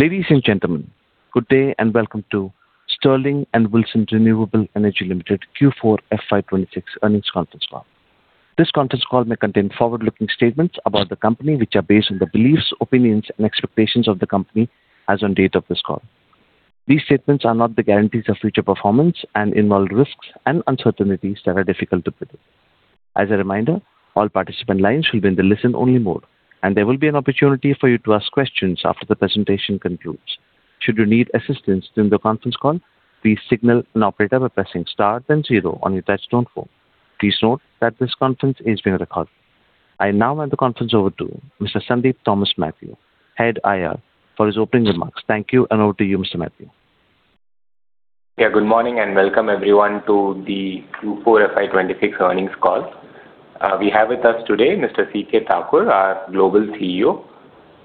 Ladies and gentlemen, good day and welcome to Sterling and Wilson Renewable Energy Limited Q4 FY 2026 earnings conference call. This conference call may contain forward-looking statements about the company, which are based on the beliefs, opinions, and expectations of the company as on date of this call. These statements are not the guarantees of future performance and involve risks and uncertainties that are difficult to predict. As a reminder, all participant lines will be in the listen only mode, and there will be an opportunity for you to ask questions after the presentation concludes. Should you need assistance during the conference call, please signal an operator by pressing star then zero on your touchtone phone. Please note that this conference is being recorded. I now hand the conference over to Mr. Sandeep Thomas Mathew, Head IR, for his opening remarks. Thank you, and over to you, Mr. Mathew. Yeah. Good morning and welcome everyone to the Q4 FY 2026 earnings call. We have with us today Mr. C.K. Thakur, our Global CEO,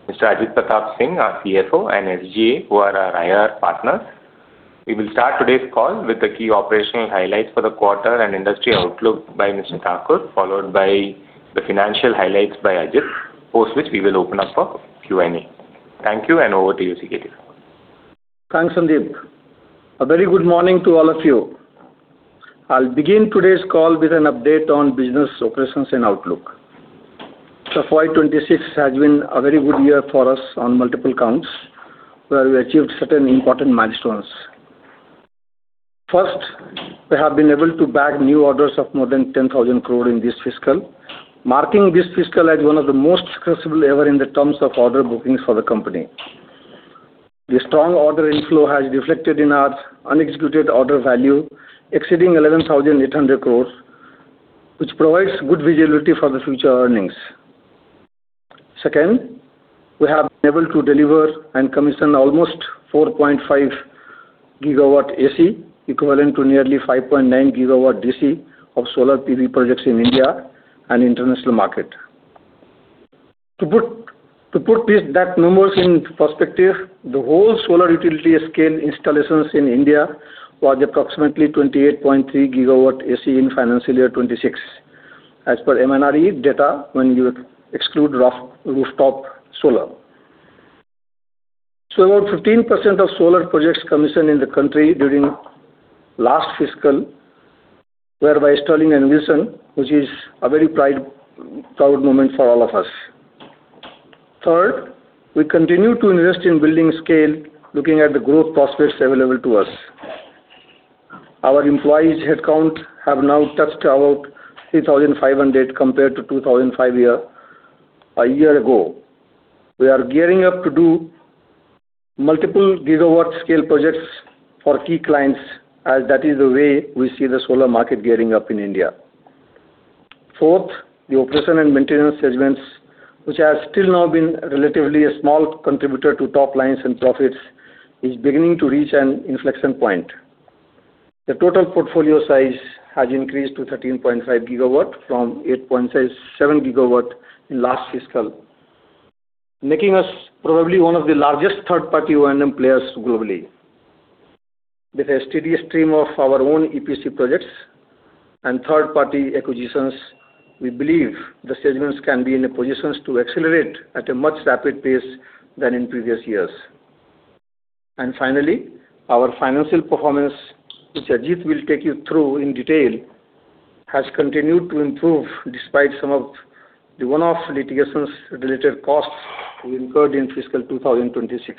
Mr. Ajit Pratap Singh, our CFO, and SGA, who are our IR partners. We will start today's call with the key operational highlights for the quarter and industry outlook by Mr. Thakur, followed by the financial highlights by Ajit. Post which, we will open up for Q and A. Thank you, and over to you, C.K. Thanks, Sandeep. A very good morning to all of you. I'll begin today's call with an update on business operations and outlook. FY 2026 has been a very good year for us on multiple counts, where we achieved certain important milestones. First, we have been able to bag new orders of more than 10,000 crore in this fiscal, marking this fiscal as one of the most successful ever in the terms of order bookings for the company. The strong order inflow has reflected in our unexecuted order value, exceeding 11,800 crores, which provides good visibility for the future earnings. Second, we have been able to deliver and commission almost 4.5 GW AC, equivalent to nearly 5.9 GW DC of solar PV projects in India and international market. To put that numbers into perspective, the whole solar utility scale installations in India was approximately 28.3 GW AC in FY 2026, as per MNRE data when you exclude rooftop solar. About 15% of solar projects commissioned in the country during last fiscal were by Sterling and Wilson, which is a very proud moment for all of us. Third, we continue to invest in building scale, looking at the growth prospects available to us. Our employees headcount have now touched about 3,500 compared to 2,005 a year ago. We are gearing up to do multiple GW scale projects for key clients as that is the way we see the solar market gearing up in India. Fourth, the operation and maintenance segments, which has still now been relatively a small contributor to top lines and profits, is beginning to reach an inflection point. The total portfolio size has increased to 13.5 GW from 8.7 GW in last fiscal, making us probably one of the largest third-party O&M players globally. With a steady stream of our own EPC projects and third-party acquisitions, we believe the segments can be in a position to accelerate at a much rapid pace than in previous years. Finally, our financial performance, which Ajit will take you through in detail, has continued to improve despite some of the one-off litigations related costs we incurred in fiscal 2026.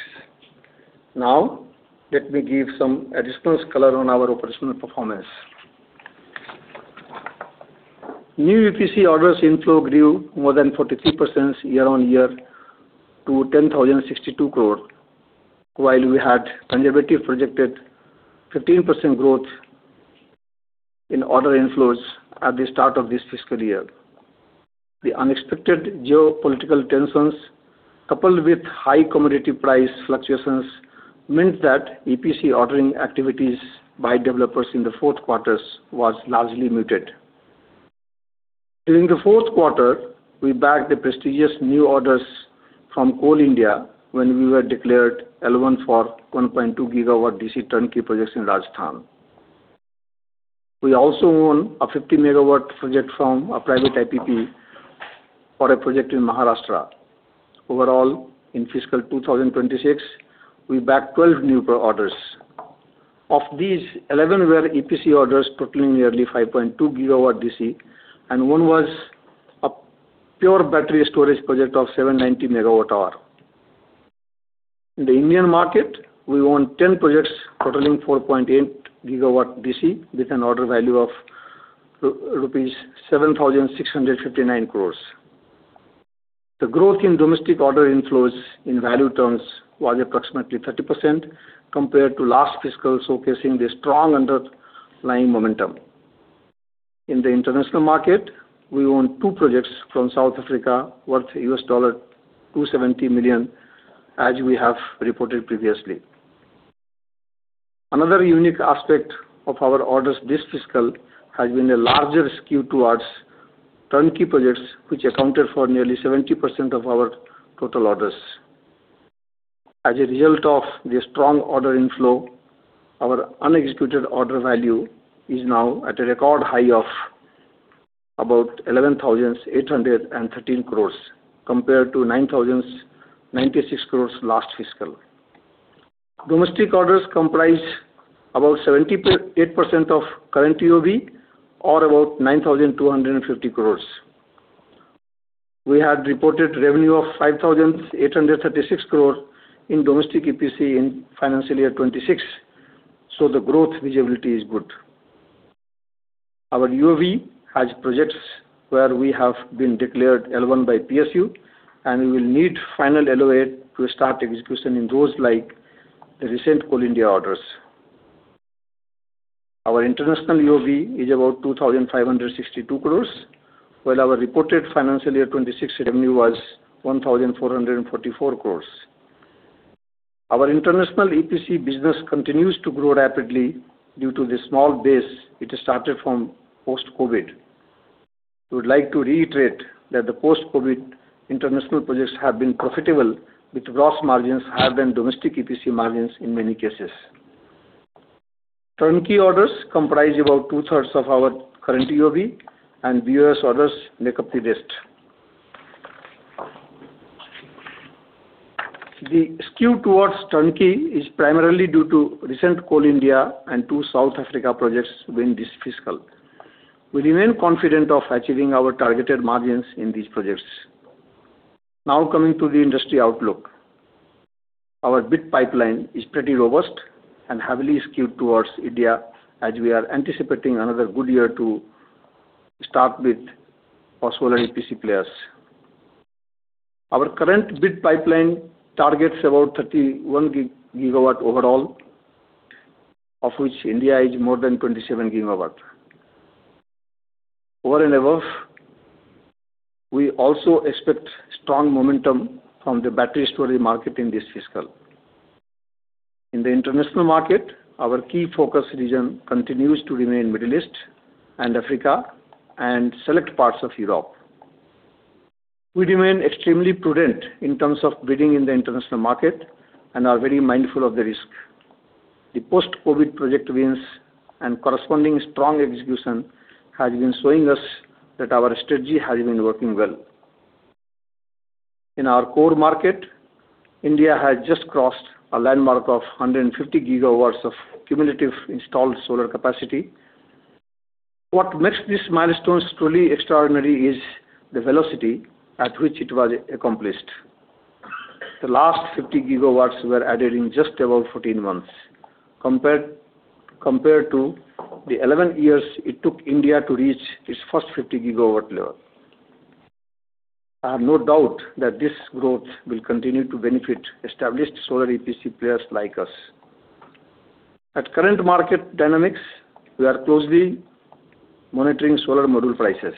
Now, let me give some additional color on our operational performance. New EPC orders inflow grew more than 43% year-on-year to 10,062 crore. While we had conservatively projected 15% growth in order inflows at the start of this fiscal year. The unexpected geopolitical tensions, coupled with high commodity price fluctuations, meant that EPC ordering activities by developers in the fourth quarter was largely muted. During the fourth quarter, we bagged the prestigious new orders from Coal India, when we were declared L1 for 1.2 GW DC turnkey projects in Rajasthan. We also won a 50-MW project from a private IPP for a project in Maharashtra. Overall, in fiscal 2026, we bagged 12 new projects orders. Of these, 11 were EPC orders totaling nearly 5.2 GW DC, and one was a pure battery storage project of 790 MWh. In the Indian market, we won 10 projects totaling 4.8 GW DC with an order value of 7,659 crores rupees. The growth in domestic order inflows in value terms was approximately 30% compared to last fiscal, showcasing the strong underlying momentum. In the international market, we won two projects from South Africa worth $270 million, as we have reported previously. Another unique aspect of our orders this fiscal has been a larger skew towards turnkey projects, which accounted for nearly 70% of our total orders. As a result of the strong order inflow, our unexecuted order value is now at a record high of about 11,813 crores, compared to 9,096 crores last fiscal. Domestic orders comprise about 78% of current OoV or about 9,250 crores. We had reported revenue of 5,836 crore in domestic EPC in financial year 2026, so the growth visibility is good. Our OOV has projects where we have been declared L1 by PSU, and we will need final LOA to start execution in those, like the recent Coal India orders. Our international OoV is about 2,562 crores, while our reported financial year 2026 revenue was 1,444 crores. Our international EPC business continues to grow rapidly due to the small base it has started from post-COVID. We would like to reiterate that the post-COVID international projects have been profitable, with gross margins higher than domestic EPC margins in many cases. Turnkey orders comprise about two-thirds of our current OoV, and BOS orders make up the rest. The skew towards turnkey is primarily due to recent Coal India and two South Africa projects within this fiscal. We remain confident of achieving our targeted margins in these projects. Now coming to the industry outlook. Our bid pipeline is pretty robust and heavily skewed towards India, as we are anticipating another good year to start with for solar EPC players. Our current bid pipeline targets about 31 GW overall, of which India is more than 27 GW. Over and above, we also expect strong momentum from the battery storage market in this fiscal. In the international market, our key focus region continues to remain Middle East and Africa and select parts of Europe. We remain extremely prudent in terms of bidding in the international market and are very mindful of the risk. The post-COVID project wins and corresponding strong execution has been showing us that our strategy has been working well. In our core market, India has just crossed a landmark of 150 gigawatts of cumulative installed solar capacity. What makes this milestone truly extraordinary is the velocity at which it was accomplished. The last 50 gigawatts were added in just about 14 months, compared to the 11 years it took India to reach its first 50 gigawatt level. I have no doubt that this growth will continue to benefit established solar EPC players like us. At current market dynamics, we are closely monitoring solar module prices.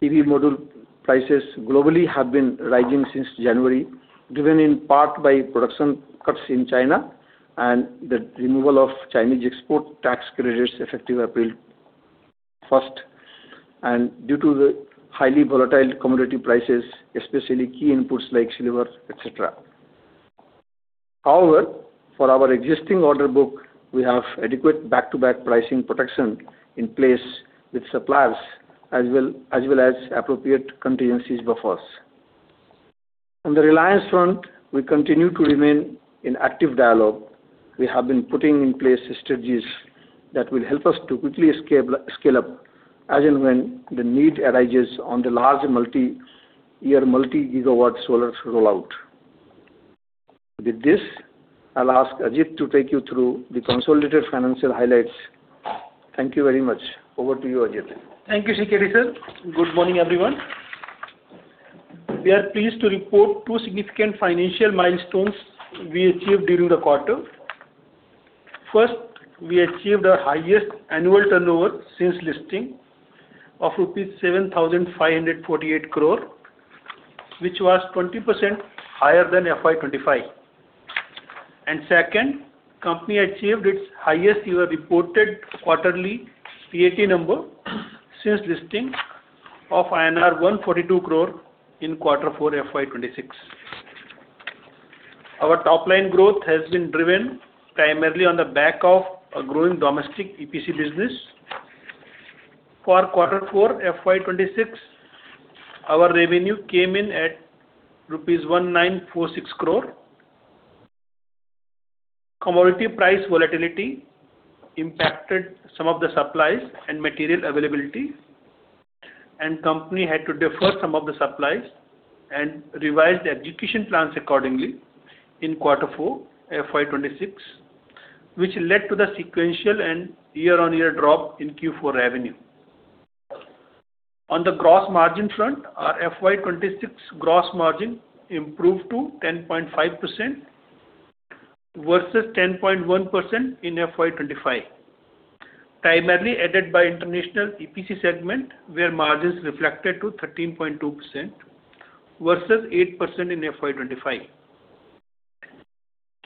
PV module prices globally have been rising since January, driven in part by production cuts in China and the removal of Chinese export tax credits effective April 1st, and due to the highly volatile commodity prices, especially key inputs like silver, et cetera. However, for our existing order book, we have adequate back-to-back pricing protection in place with suppliers, as well as appropriate contingencies buffers. On the Reliance front, we continue to remain in active dialogue. We have been putting in place strategies that will help us to quickly scale up as and when the need arises on the large multi-year, multi-gigawatt solar rollout. With this, I'll ask Ajit to take you through the consolidated financial highlights. Thank you very much. Over to you, Ajit. Thank you, C.K. Sir. Good morning, everyone. We are pleased to report two significant financial milestones we achieved during the quarter. First, we achieved our highest annual turnover since listing of rupees 7,548 crore, which was 20% higher than FY 2025. Second, company achieved its highest ever reported quarterly PAT number since listing of INR 142 crore in quarter four FY 2026. Our top line growth has been driven primarily on the back of a growing domestic EPC business. For quarter four FY 2026, our revenue came in at rupees 1,946 crore. Commodity price volatility impacted some of the supplies and material availability, and company had to defer some of the supplies and revise the execution plans accordingly in quarter four FY 2026, which led to the sequential and year-on-year drop in Q4 revenue. On the gross margin front, our FY 2026 gross margin improved to 10.5% versus 10.1% in FY 2025, primarily aided by international EPC segment, where margins improved to 13.2% versus 8% in FY 2025.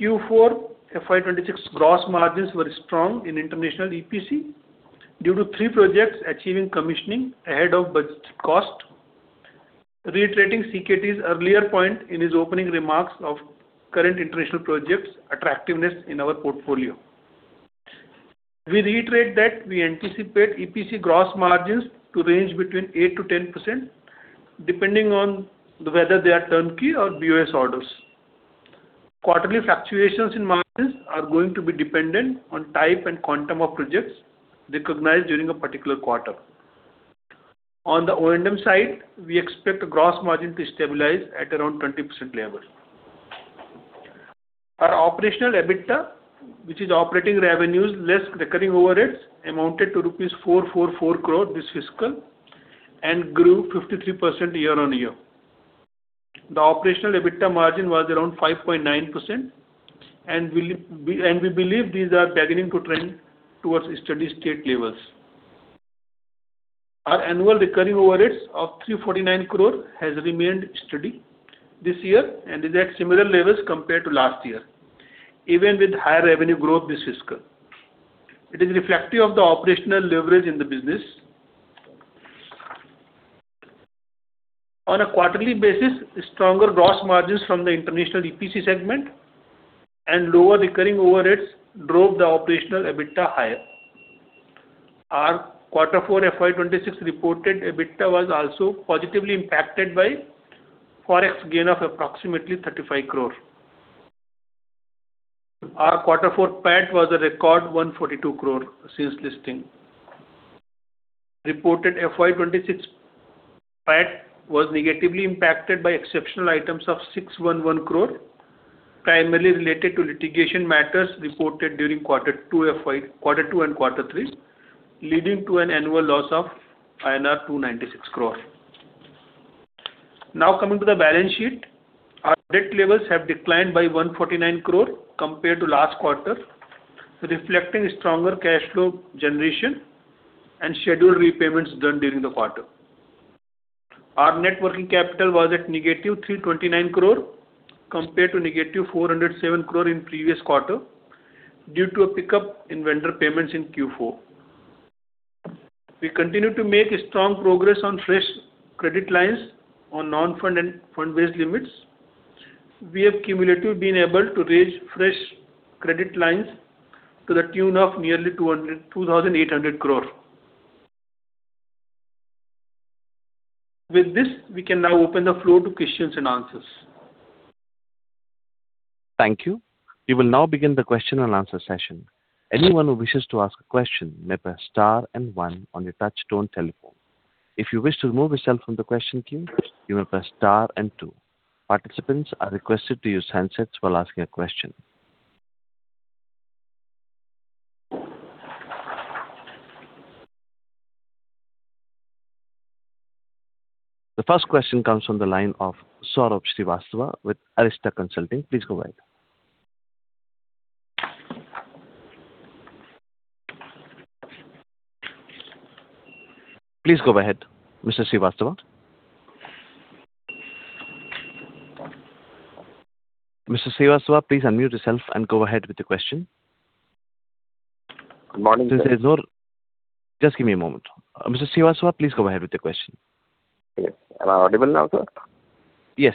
Q4 FY 2026 gross margins were strong in international EPC due to three projects achieving commissioning ahead of budget cost. Reiterating C.K.T.'s earlier point in his opening remarks on the attractiveness of current international projects in our portfolio. We reiterate that we anticipate EPC gross margins to range between 8%-10%, depending on whether they are turnkey or BOS orders. Quarterly fluctuations in margins are going to be dependent on type and quantum of projects recognized during a particular quarter. On the O&M side, we expect gross margin to stabilize at around 20% levels. Our operational EBITDA, which is operating revenues less recurring overheads, amounted to rupees 444 crores this fiscal and grew 53% year-on-year. The operational EBITDA margin was around 5.9%, and we believe these are beginning to trend towards steady-state levels. Our annual recurring overheads of 349 crore has remained steady this year and is at similar levels compared to last year, even with higher revenue growth this fiscal. It is reflective of the operational leverage in the business. On a quarterly basis, stronger gross margins from the international EPC segment and lower recurring overheads drove the operational EBITDA higher. Our Q4 FY 2026 reported EBITDA was also positively impacted by Forex gain of approximately 35 crore. Our Q4 PAT was a record 142 crore since listing. Reported FY 2026 PAT was negatively impacted by exceptional items of 611 crore, primarily related to litigation matters reported during Q3 and Q4, leading to an annual loss of INR 296 crore. Now coming to the balance sheet. Our debt levels have declined by 149 crore compared to last quarter, reflecting stronger cash flow generation and scheduled repayments done during the quarter. Our net working capital was at negative 329 crore compared to negative 407 crore in previous quarter, due to a pickup in vendor payments in Q4. We continue to make strong progress on fresh credit lines on non-fund and fund-based limits. We have cumulatively been able to raise fresh credit lines to the tune of nearly 2,800 crore. With this, we can now open the floor to questions and answers. Thank you. We will now begin the question-and-answer session. Anyone who wishes to ask a question may press star and one on your touchtone telephone. If you wish to remove yourself from the question queue, you may press star and two. Participants are requested to use handsets while asking a question. The first question comes from the line of Saurabh Srivastava with Arista Consulting. Please go ahead. Please go ahead, Mr. Srivastava. Mr. Srivastava, please unmute yourself and go ahead with the question. Good morning, sir. Just give me a moment. Mr. Srivastava, please go ahead with your question. Yes. Am I audible now, sir? Yes.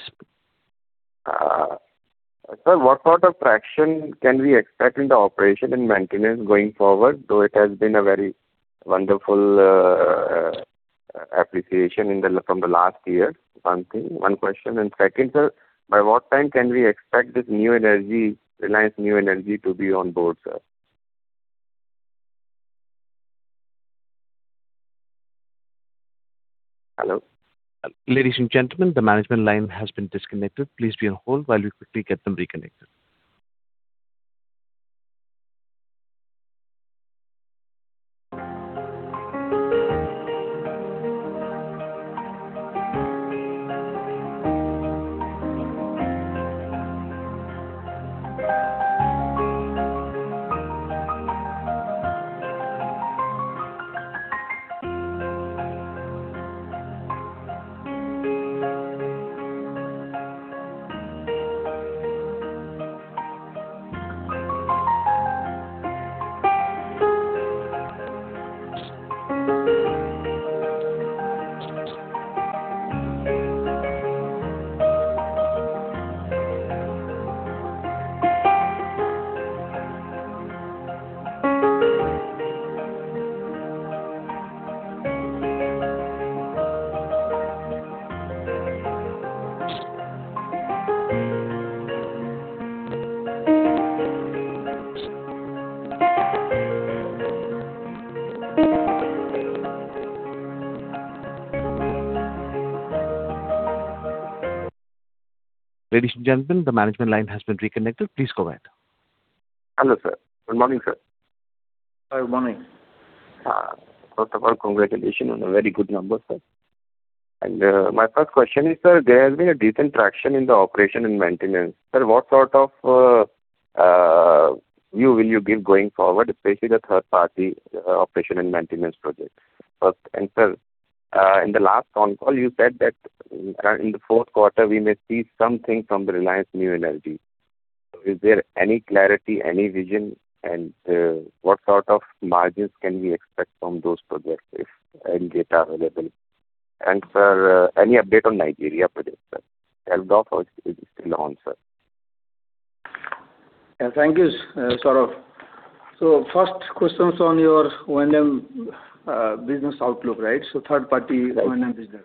Sir, what sort of traction can we expect in the operation and maintenance going forward, though it has been a very wonderful appreciation from the last year? One question, and second, sir, by what time can we expect this Reliance New Energy to be on board, sir? Hello? Ladies and gentlemen, the management line has been disconnected. Please be on hold while we quickly get them reconnected. Ladies and gentlemen, the management line has been reconnected. Please go ahead. Hello, sir. Good morning, sir. Good morning. First of all, congratulations on a very good number, sir. My first question is, sir, there has been a decent traction in the operation and maintenance. Sir, what sort of view will you give going forward, especially the third-party operation and maintenance project? Sir, in the last call, you said that in the fourth quarter, we may see something from the Reliance New Energy. So is there any clarity, any vision, and what sort of margins can we expect from those projects, if any data available? Sir, any update on Nigeria project, sir? Is it still on, sir? Yeah. Thank you, Saurabh. First question's on your O&M business outlook, right? Third party- Right O&M business.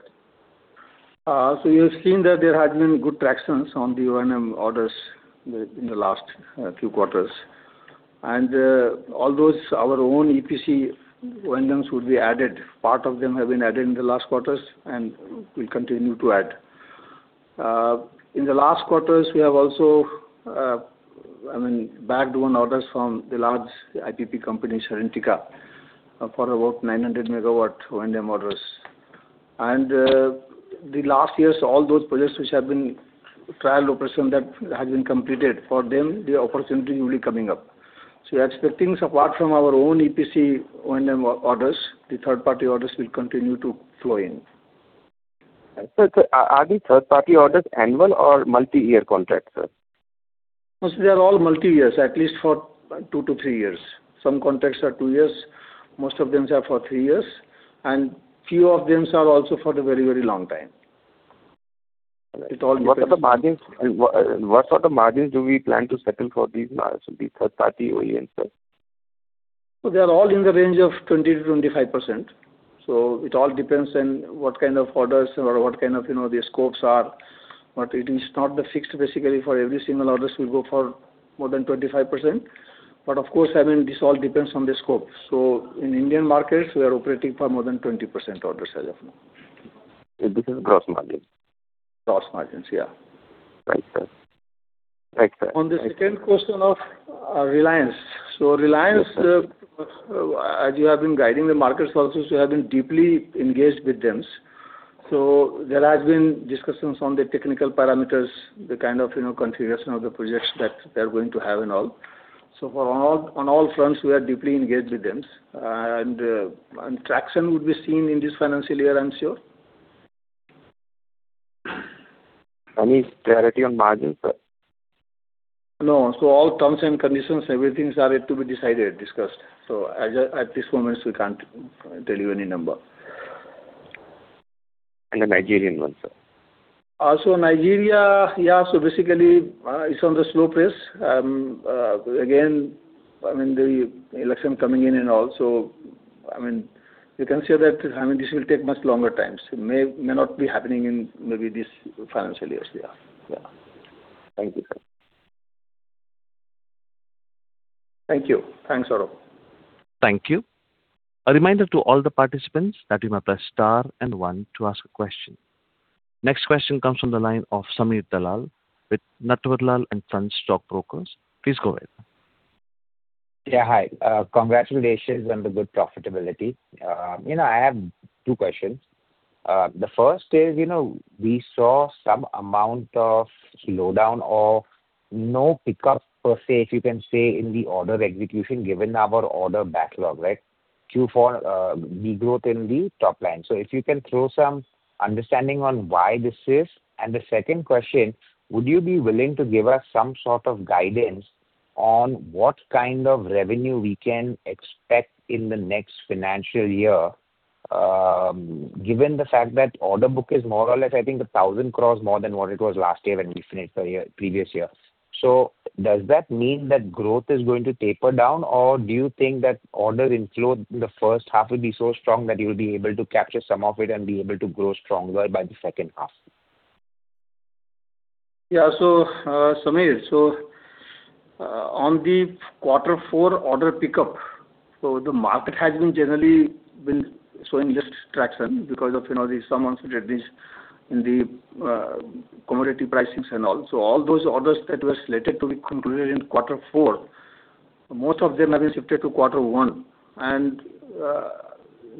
You've seen that there has been good tractions on the O&M orders in the last few quarters. All those, our own EPC O&Ms would be added, part of them have been added in the last quarters, and we'll continue to add. In the last quarters we have also bagged one orders from the large IPP company, Serentica, for about 900 MW O&M orders. The last years, all those projects which have been trial operation that has been completed, for them, the opportunity will be coming up. We are expecting apart from our own EPC O&M orders, the third party orders will continue to flow in. Sir, are the third party orders annual or multi-year contracts, sir? Mostly they are all multi-year, at least for 2-3 years. Some contracts are two years, most of them are for three years, and few of them are also for the very long time. It all depends. What sort of margins do we plan to settle for these third party O&Ms, sir? They're all in the range of 20%-25%. It all depends on what kind of orders or what kind of the scopes are, but it is not the fixed basically for every single orders will go for more than 25%. Of course, this all depends on the scope. In Indian markets, we are operating for more than 20% orders as of now. This is gross margin? Gross margins, yeah. Right, sir. On the second question of Reliance. Reliance, as you have been guiding the market sources, we have been deeply engaged with them. There has been discussions on the technical parameters, the kind of configuration of the projects that they're going to have and all. On all fronts, we are deeply engaged with them. Traction would be seen in this financial year, I'm sure. Any clarity on margins, sir? No. All terms and conditions, everything is yet to be decided, discussed. At this moment, we can't tell you any number. The Nigerian one, sir? Nigeria, yeah. Basically, it's on the slow pace. Again, the election coming in and all, so you can say that this will take much longer times, may not be happening in maybe this financial years. Yeah. Thank you, sir. Thank you. Thanks, Saurabh. Thank you. A reminder to all the participants that you must press star and one to ask a question. Next question comes from the line of Sameer Dalal with Natverlal & Sons Stockbrokers. Please go ahead. Yeah, hi. Congratulations on the good profitability. I have two questions. The first is, we saw some amount of slowdown or no pickup per se, if you can say, in the order execution given our order backlog. Q4 de-growth in the top line. If you can throw some understanding on why this is? The second question, would you be willing to give us some sort of guidance on what kind of revenue we can expect in the next financial year, given the fact that order book is more or less, I think, 1,000 crore more than what it was last year when we finished the previous year. Does that mean that growth is going to taper down or do you think that order inflow in the first half will be so strong that you will be able to capture some of it and be able to grow stronger by the second half? Yeah. Sameer, on the quarter four order pickup, the market has been generally showing less traction because of some uncertainty in the commodity pricing and all. All those orders that were slated to be concluded in Q4, most of them have been shifted to quarter one.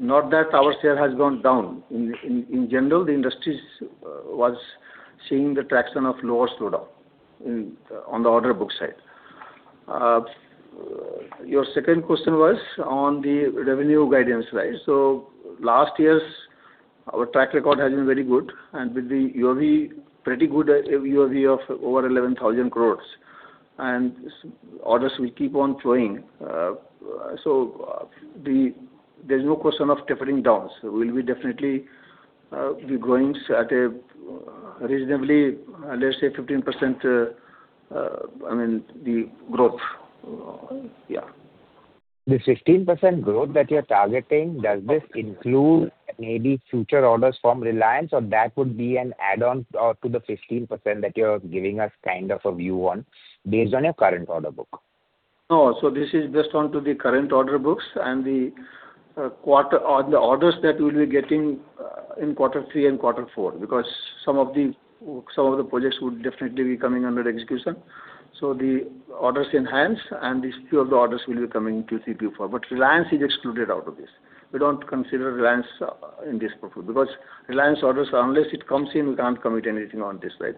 Not that our share has gone down. In general, the industry was seeing lower traction, slowdown on the order book side. Your second question was on the revenue guidance, right? Last year, our track record has been very good and with the pretty good EOE of over 11,000 crore and orders will keep on flowing. There's no question of tapering down. We'll definitely be growing at a reasonably, let's say, 15% growth. Yeah. The 15% growth that you're targeting, does this include maybe future orders from Reliance or that would be an add-on to the 15% that you're giving us kind of a view on based on your current order book? No, this is based on the current order books and the orders that we'll be getting in quarter three and quarter four. Because some of the projects would definitely be coming under execution. The orders in hand, and a few of the orders will be coming Q3, Q4. Reliance is excluded out of this. We don't consider Reliance in this because Reliance orders, unless it comes in, we can't commit anything on this. Right?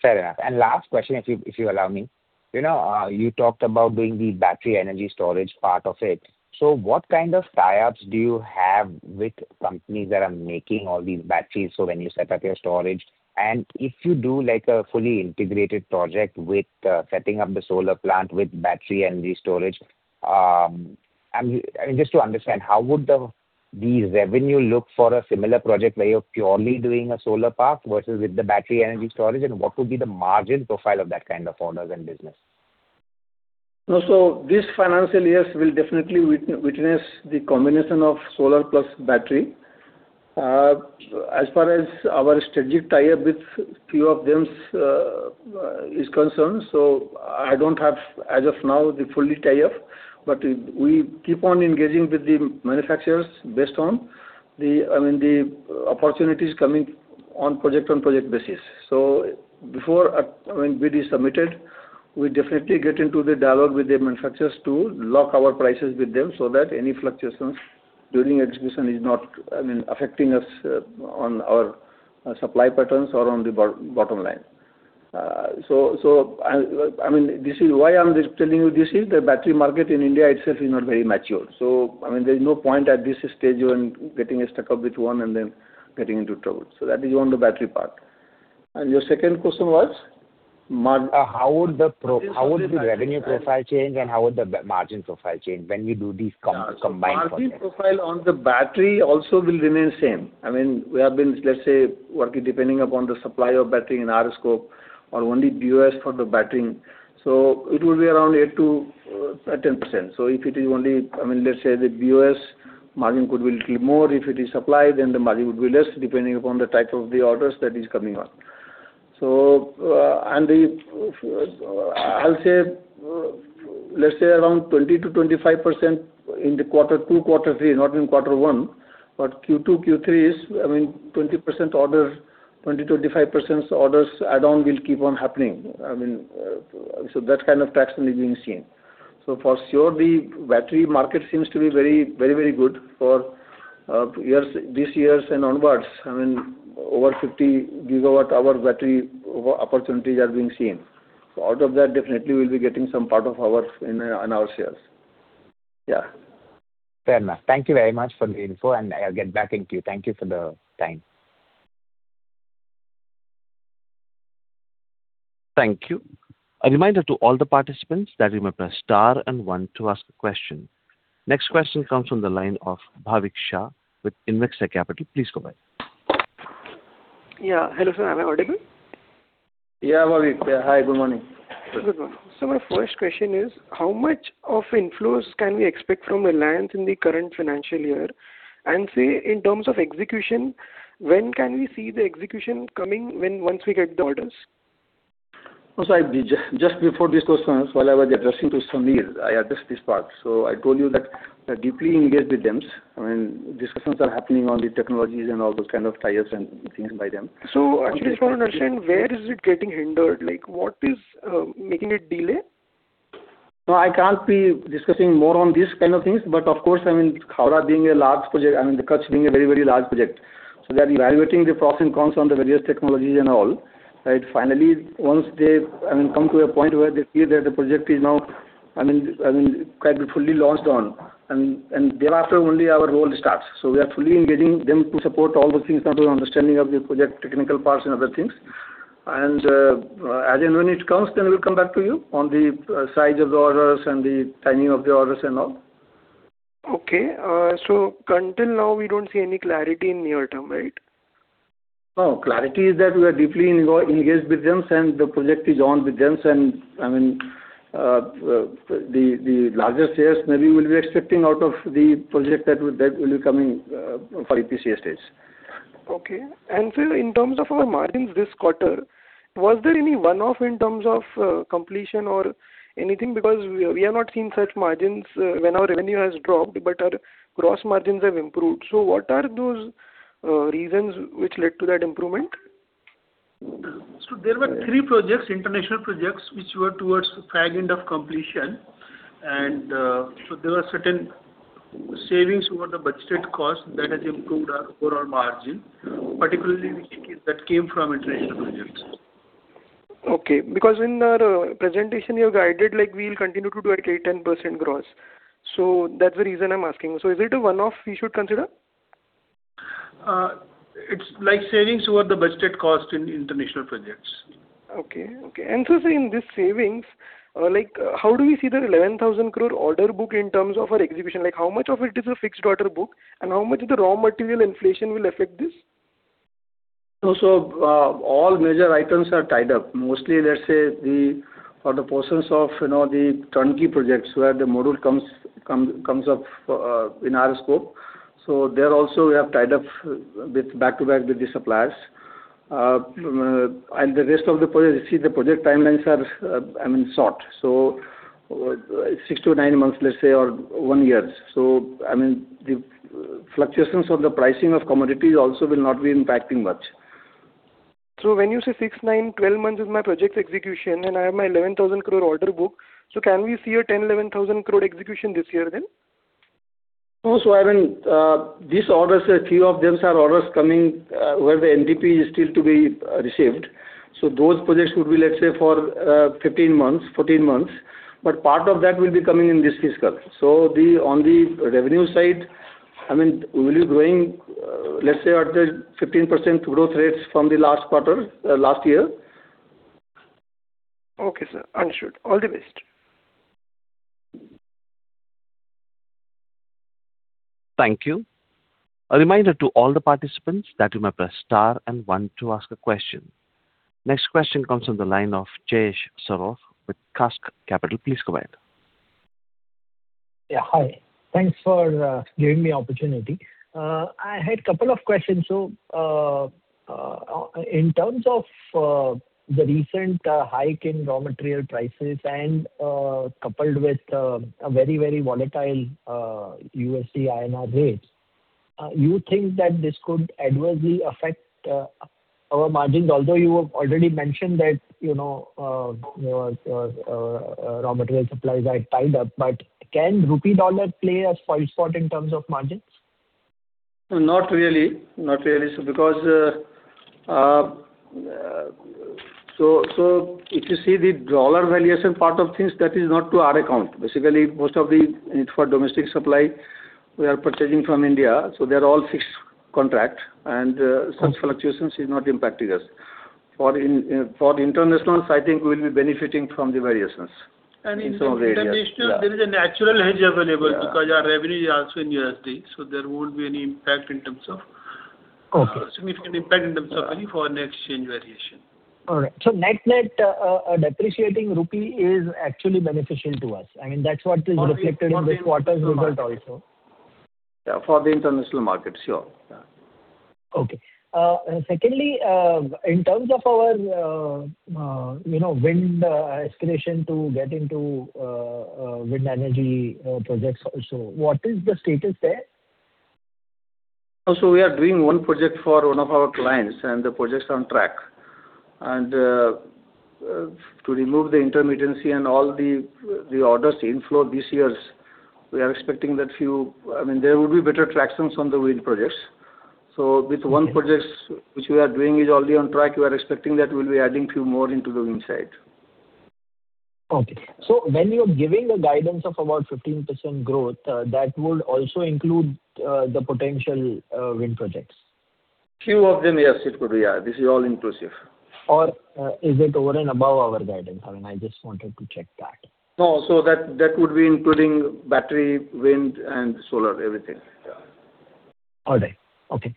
Fair enough. Last question, if you allow me. You talked about doing the battery energy storage part of it. What kind of tie-ups do you have with companies that are making all these batteries, so when you set up your storage? If you do a fully integrated project with setting up the solar plant with battery energy storage, just to understand, how would the revenue look for a similar project where you're purely doing a solar park versus with the battery energy storage, and what would be the margin profile of that kind of orders and business? This financial year will definitely witness the combination of solar plus battery. As far as our strategic tie-up with few of them is concerned, so I don't have, as of now, the fully tie-up, but we keep on engaging with the manufacturers based on the opportunities coming on project-on-project basis. Before bid is submitted, we definitely get into the dialogue with the manufacturers to lock our prices with them so that any fluctuations during execution is not affecting us on our supply patterns or on the bottom line. Why I'm telling you this is the battery market in India itself is not very mature. There's no point at this stage when getting stuck up with one and then getting into trouble. That is on the battery part. Your second question was? How would the revenue profile change and how would the margin profile change when we do these combined projects? Margin profile on the battery also will remain same. We have been, let's say, working depending upon the supply of battery in our scope or only BOS for the battery. It will be around 8%-10%. If it is only, let's say, the BOS, margin could be little more, if it is supply, then the margin would be less, depending upon the type of the orders that is coming on. I'll say, let's say around 20%-25% in the Q2, Q3, not in quarter one, but Q2, Q3 is, 20% orders, 20%-25% orders add on will keep on happening. That kind of traction is being seen. For sure, the battery market seems to be very good for this year and onwards. Over 50 gigawatt hour battery opportunities are being seen. Out of that, definitely we'll be getting some part on our shares. Yeah. Fair enough. Thank you very much for the info, and I'll get back to you. Thank you for the time. Thank you. A reminder to all the participants that you may press star and one to ask a question. Next question comes from the line of Bhavik Shah with Invexa Capital. Please go ahead. Yeah. Hello, sir. Am I audible? Yeah, Bhavik. Hi, good morning. Good morning. My first question is how much of inflows can we expect from Reliance in the current financial year? Say, in terms of execution, when can we see the execution coming once we get the orders? Just before this question, while I was addressing to Sameer, I addressed this part. I told you that we are deeply engaged with them. Discussions are happening on the technologies and all those kind of tie-ups and things by them. I just want to understand where is it getting hindered? Like what is making it delay? No, I can't be discussing more on these kind of things, but of course, Khavda being a large project, the cuts being a very large project, so they're evaluating the pros and cons on the various technologies and all. Finally, once they come to a point where they feel that the project is now quite fully launched on, and thereafter only our role starts. We are fully engaging them to support all those things, understanding of the project, technical parts and other things. As and when it comes, then we'll come back to you on the size of the orders and the timing of the orders and all. Okay, until now, we don't see any clarity in near term, right? No, clarity is that we are deeply engaged with them and the project is on with them. The largest shares maybe we'll be expecting out of the project that will be coming for EPC stage. Okay. Sir, in terms of our margins this quarter, was there any one-off in terms of completion or anything? Because we have not seen such margins when our revenue has dropped, but our gross margins have improved. What are those reasons which led to that improvement? There were three projects, international projects, which were towards the fag end of completion. There were certain savings over the budgeted cost that has improved our overall margin, particularly that came from international projects. Okay. Because in our presentation, you have guided, like we'll continue to do at 8%-10% gross. That's the reason I'm asking. Is it a one-off we should consider? It's like savings over the budgeted cost in international projects. Okay. Sir, in this savings, how do we see that 11,000 crore order book in terms of our execution? How much of it is a fixed order book? How much of the raw material inflation will affect this? All major items are tied up. Mostly, let's say, for the portions of the turnkey projects where the module comes up in our scope. There also we have tied up back-to-back with the suppliers. The rest of the project, see the project timelines are short. Six to nine months, let's say, or one year. The fluctuations of the pricing of commodities also will not be impacting much. When you say six, nine, 12 months is my project execution, and I have my 11,000 crore order book, so can we see a 10,000-11,000 crore execution this year then? I mean, these orders, a few of them are orders coming where the NTP is still to be received. Those projects would be, let's say, for 15 months, 14 months, but part of that will be coming in this fiscal. On the revenue side, I mean, we'll be growing, let's say, at the 15% growth rates from the last quarter, last year. Okay, sir. Understood. All the best. Thank you. A reminder to all the participants that you may press star and one to ask a question. Next question comes from the line of Jayesh Shroff with Cask Capital. Please go ahead. Yeah. Hi. Thanks for giving me opportunity. I had couple of questions. In terms of the recent hike in raw material prices and coupled with a very volatile USD, INR rates, you think that this could adversely affect our margins? Although you have already mentioned that your raw material supplies are tied up, but can rupee dollar play a spoilsport in terms of margins? Not really. Because if you see the dollar valuation part of things, that is not to our account. Basically, most of the need for domestic supply we are purchasing from India, so they're all fixed contract and such fluctuations is not impacting us. For the internationals, I think we'll be benefiting from the variations in some ways. In international there is a natural hedge available because our revenue is also in USD, so there won't be any impact in terms of Okay. Significant impact in terms of any foreign exchange variation. All right. Net, a depreciating rupee is actually beneficial to us. I mean, that's what is reflected in this quarter's result also. Yeah, for the international markets, sure. Yeah. Okay. Secondly, in terms of our wind escalation to get into wind energy projects also, what is the status there? We are doing one project for one of our clients, and the project's on track. To remove the intermittency and all the orders inflow this year, we are expecting that few... I mean, there will be better tractions on the wind projects. With one projects which we are doing is already on track, we are expecting that we'll be adding few more into the wind side. Okay. When you're giving a guidance of about 15% growth, that would also include the potential wind projects. Few of them, yes, it could be. This is all inclusive. Is it over and above our guidance? I mean, I just wanted to check that. No. That would be including battery, wind, and solar, everything. Yeah. All right. Okay.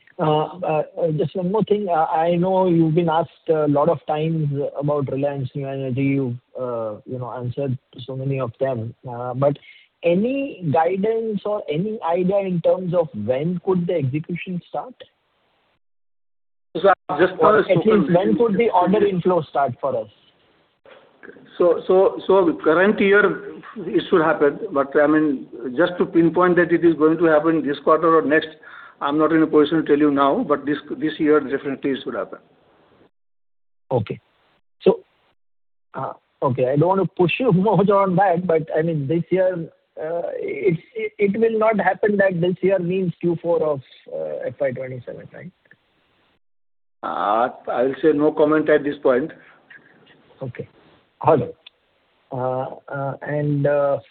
Just one more thing. I know you've been asked a lot of times about Reliance New Energy. You've answered so many of them. Any guidance or any idea in terms of when could the execution start? So just to- At least when could the order inflow start for us? The current year it should happen, but, I mean, just to pinpoint that it is going to happen this quarter or next, I'm not in a position to tell you now, but this year definitely it should happen. Okay. I don't want to push you much on that, but I mean, this year, it will not happen that this year means Q4 of FY 2027, right? I'll say no comment at this point. Okay. All right.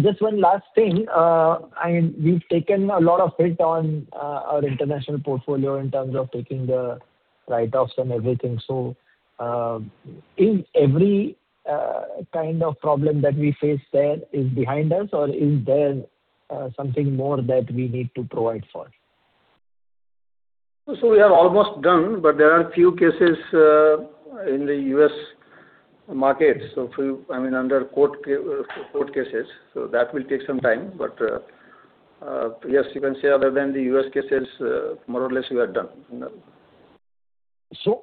Just one last thing, I mean, we've taken a lot of hit on our international portfolio in terms of taking the write-offs and everything. Is every kind of problem that we face there is behind us, or is there something more that we need to provide for? We are almost done, but there are few cases in the U.S. market, so few under court cases, so that will take some time. Yes, you can say other than the U.S. cases more or less we are done.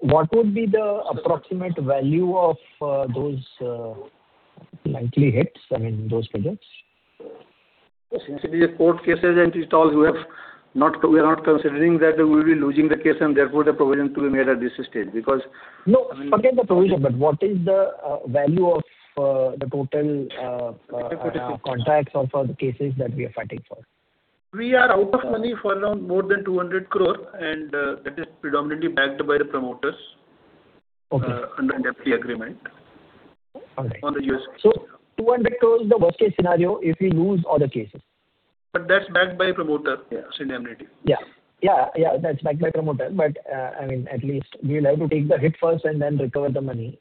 What would be the approximate value of those likely hits, I mean, those projects? Since it is a court case and it's all we have, we are not considering that we'll be losing the case and therefore the provision to be made at this stage because. No. Forget the provision, but what is the value of the total contracts or for the cases that we are fighting for? We are out of money for around more than 200 crore and that is predominantly backed by the promoters. Okay. Under an FTC agreement. All right. On the U.S. case. 200 crore is the worst case scenario if we lose all the cases. That's backed by promoter indemnity. Yeah. That's backed by promoter. I mean, at least we'll have to take the hit first and then recover the money.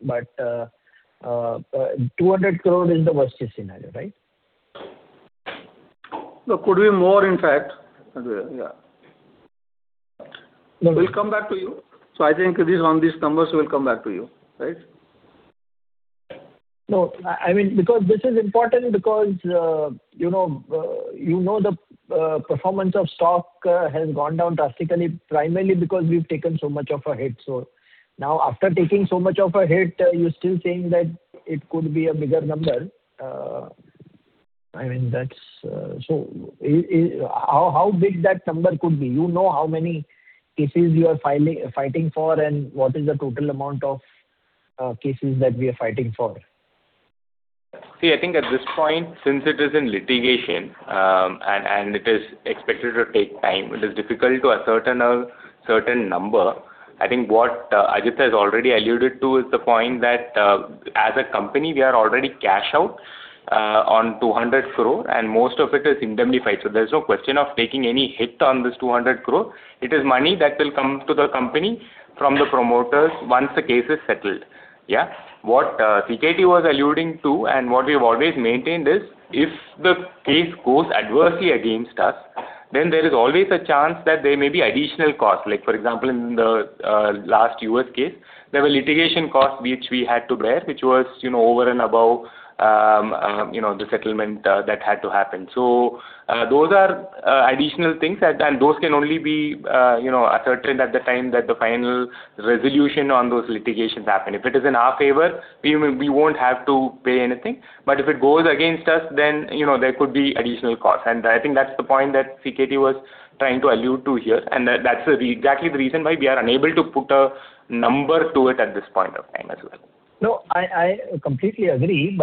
200 crore is the worst case scenario, right? No, could be more, in fact. Yeah. We'll come back to you. I think on these numbers, we'll come back to you, right. No, I mean, because this is important because you know the performance of stock has gone down drastically, primarily because we've taken so much of a hit. Now after taking so much of a hit, you're still saying that it could be a bigger number. How big that number could be? You know how many cases you are fighting for and what is the total amount of cases that we are fighting for? See, I think at this point, since it is in litigation, and it is expected to take time, it is difficult to ascertain a certain number. I think what Ajit has already alluded to is the point that as a company, we are already cash out on 200 crore, and most of it is indemnified. So there's no question of taking any hit on this 200 crore. It is money that will come to the company from the promoters once the case is settled. Yeah. What C.K. was alluding to and what we've always maintained is, if the case goes adversely against us, then there is always a chance that there may be additional costs. For example, in the last U.S. case, there were litigation costs which we had to bear, which was over and above the settlement that had to happen. Those are additional things, and those can only be ascertained at the time that the final resolution on those litigations happen. If it is in our favor, we won't have to pay anything. If it goes against us, then there could be additional cost. I think that's the point that C.K. was trying to allude to here, and that's exactly the reason why we are unable to put a number to it at this point of time as well. No, I completely agree.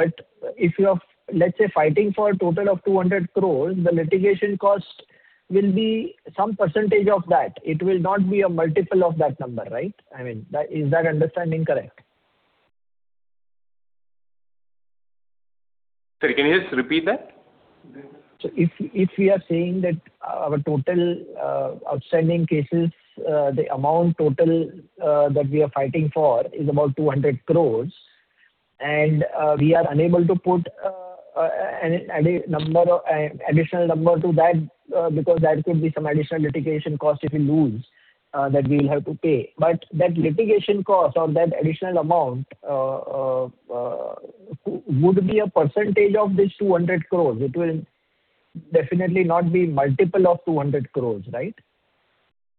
If you're, let's say, fighting for a total of 200 crore, the litigation cost will be some percentage of that. It will not be a multiple of that number, right? Is that understanding correct? Sir, can you just repeat that? If we are saying that our total outstanding cases, the amount total that we are fighting for is about 200 crore, and we are unable to put an additional number to that because that could be some additional litigation cost if we lose, that we will have to pay. That litigation cost or that additional amount would be a percentage of this 200 crore. It will definitely not be multiple of 200 crore, right?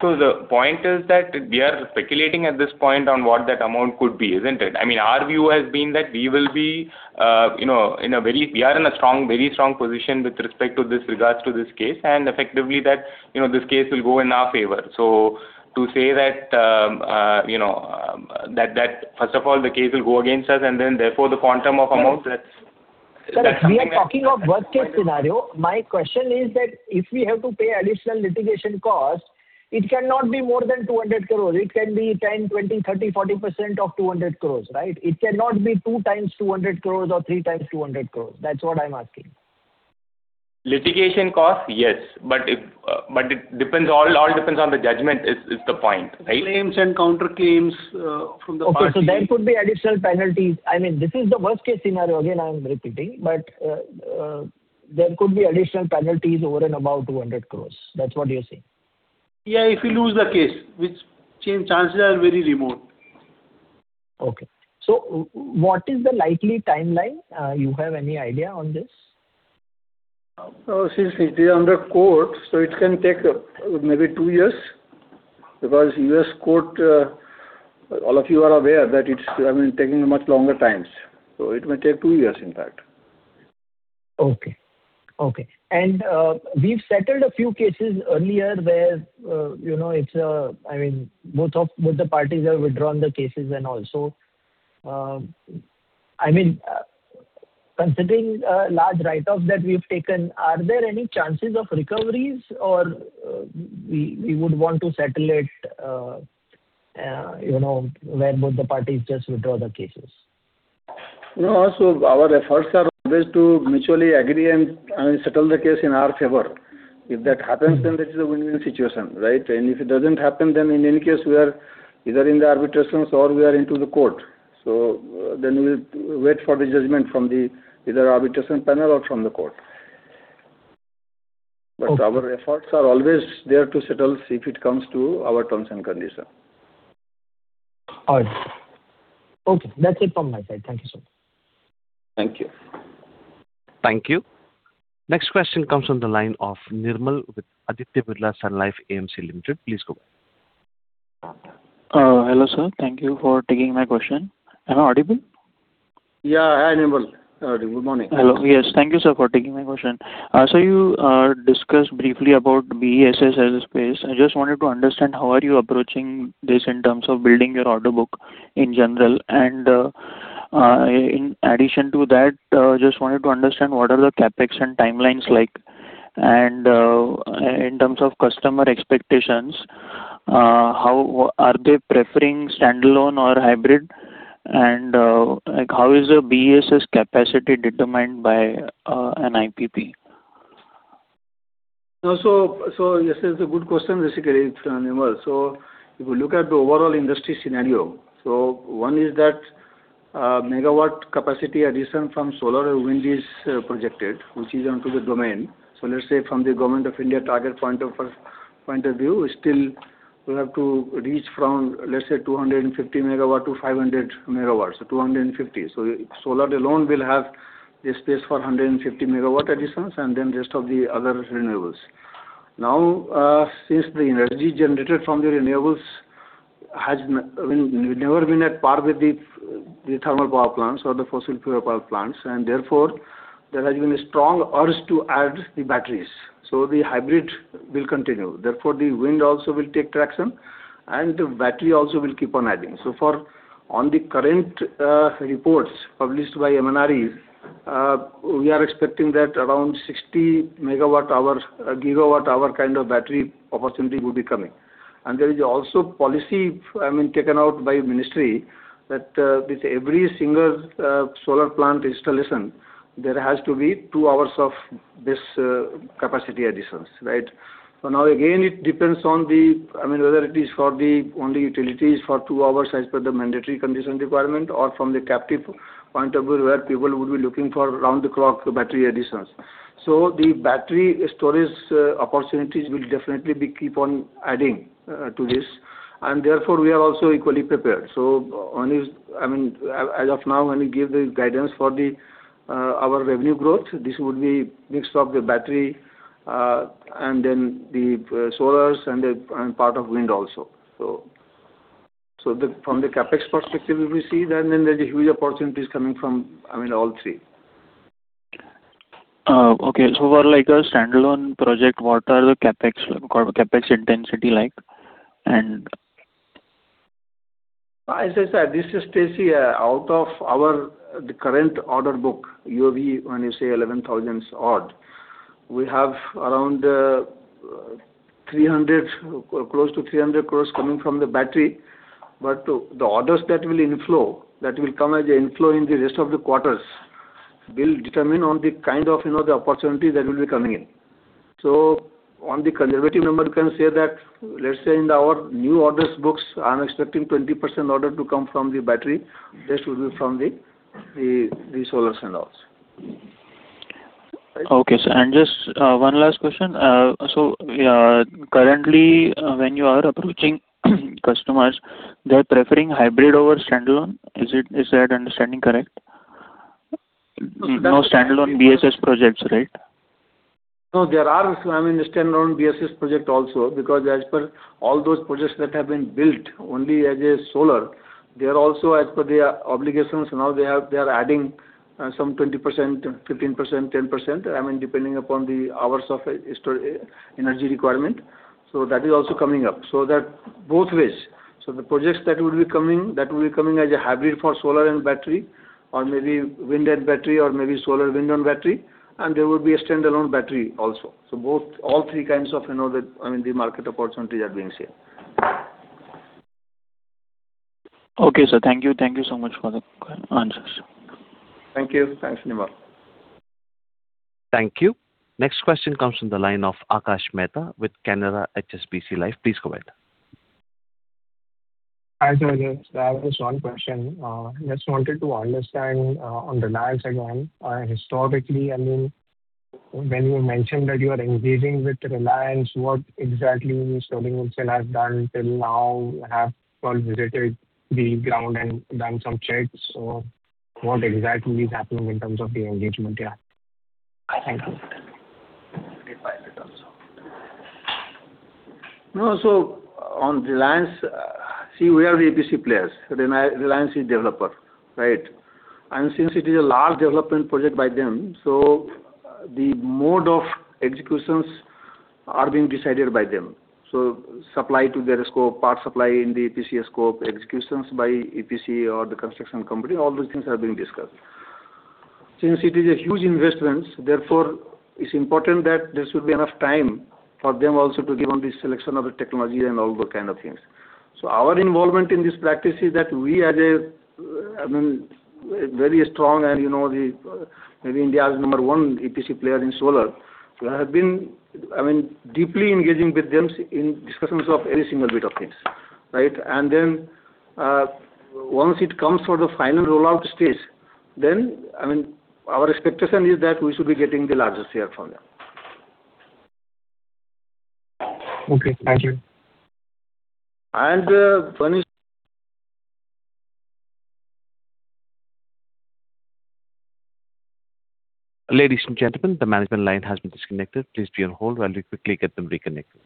The point is that we are speculating at this point on what that amount could be, isn't it? Our view has been that we are in a very strong position with respect to this regard to this case, and effectively that this case will go in our favor. To say that, first of all, the case will go against us and then therefore the quantum of amount that. Sir, we are talking of worst case scenario. My question is that if we have to pay additional litigation costs, it cannot be more than 200 crore. It can be 10%, 20%, 30%, 40% of 200 crore, right? It cannot be 2 times 200 crore or 3 times 200 crore. That's what I'm asking. Litigation cost, yes. It all depends on the judgment, is the point, right? Claims and counterclaims from the party. Okay, there could be additional penalties. This is the worst-case scenario, again, I'm repeating, but there could be additional penalties over and above 200 crore. That's what you're saying. Yeah, if we lose the case, which chances are very remote. Okay. What is the likely timeline? You have any idea on this? Since it is under court, it can take maybe two years because U.S. court, all of you are aware that it's taking much longer times. It may take two years, in fact. Okay. We've settled a few cases earlier where both the parties have withdrawn the cases and all. Considering a large write-off that we've taken, are there any chances of recoveries or we would want to settle it where both the parties just withdraw the cases? No. Our efforts are always to mutually agree and settle the case in our favor. If that happens, then this is a win-win situation, right? If it doesn't happen, then in any case, we are either in the arbitrations or we are into the court. We will wait for the judgment from either arbitration panel or from the court. Okay. Our efforts are always there to settle if it comes to our terms and conditions. All right. Okay, that's it from my side. Thank you, sir. Thank you. Thank you. Next question comes from the line of Nirmal with Aditya Birla Sun Life AMC Limited. Please go ahead. Hello, sir. Thank you for taking my question. Am I audible? Yeah. Hi, Nirmal. Good morning. Hello. Yes, thank you, sir, for taking my question. Sir, you discussed briefly about BESS as a space. I just wanted to understand how are you approaching this in terms of building your order book in general? In addition to that, just wanted to understand what are the CapEx and timelines like? In terms of customer expectations, are they preferring standalone or hybrid, and how is your BESS capacity determined by an IPP? This is a good question, basically, Nirmal. If you look at the overall industry scenario, one is that megawatt capacity addition from solar and wind is projected, which is on to the demand. Let's say from the Government of India target point of view, still we have to reach from, let's say, 250 MW to 500 MW. Solar alone will have a space for 150 MW additions, and then rest of the other renewables. Now, since the energy generated from the renewables has never been at par with the thermal power plants or the fossil fuel power plants, and therefore there has been a strong urge to add the batteries, the hybrid will continue. Therefore, the wind also will take traction, and the battery also will keep on adding. On the current reports published by MNRE, we are expecting that around 60 gigawatt-hour kind of battery opportunity will be coming. There is also policy taken out by ministry that, with every single solar plant installation, there has to be two hours of this capacity additions. Now again, it depends on whether it is for the only utilities for two hours as per the mandatory condition requirement or from the captive point of view where people would be looking for round-the-clock battery additions. The battery storage opportunities will definitely keep on adding to this, and therefore we are also equally prepared. As of now, when you give the guidance for our revenue growth, this would be mixed of the battery, and then the solars and part of wind also. From the CapEx perspective if you see, then there's huge opportunities coming from all three. Okay. For like a standalone project, what are the CapEx intensity like? As I said, this is C.K. Out of our current order book, OoV, when you say 11,000 odd, we have around close to 300 crores coming from the battery. The orders that will inflow, that will come as a inflow in the rest of the quarters, will determine on the kind of the opportunity that will be coming in. On the conservative number, you can say that, let's say in our new orders books, I'm expecting 20% order to come from the battery. Rest will be from the solars and all. Okay, sir. Just one last question. Currently, when you are approaching customers, they're preferring hybrid over standalone. Is that understanding correct? No standalone BESS projects, right? No, there are standalone BESS projects also because as per all those projects that have been built only as a solar, they are also as per their obligations, now they are adding some 20%, 15%, 10%, depending upon the hours of energy requirement. That is also coming up. Both ways. The projects that will be coming as a hybrid for solar and battery or maybe wind and battery or maybe solar, wind, and battery, and there will be a standalone battery also. All three kinds of the market opportunities are being seen. Okay, sir. Thank you. Thank you so much for the answers. Thank you. Thanks, Nirmal. Thank you. Next question comes from the line of Akash Mehta with Canara HSBC Life. Please go ahead. Hi, sir. Just I have this one question. Just wanted to understand on Reliance again. Historically, when you mentioned that you are engaging with Reliance, what exactly Sterling and Wilson has done till now? Have visited the ground and done some checks or what exactly is happening in terms of the engagement here? No, on Reliance, see, we are the EPC players. Reliance is developer. Right? Since it is a large development project by them, so the mode of executions are being decided by them. Supply to their scope, part supply in the EPC scope, executions by EPC or the construction company, all those things are being discussed. Since it is a huge investments, therefore it's important that there should be enough time for them also to decide on the selection of the technology and all those kind of things. Our involvement in this project is that we, as a very strong and maybe India's number one EPC player in solar, have been deeply engaging with them in discussions of every single bit of things. Right? Once it comes for the final rollout stage, then our expectation is that we should be getting the largest share from them. Okay, thank you. Ladies and gentlemen, the management line has been disconnected. Please be on hold while we quickly get them reconnected.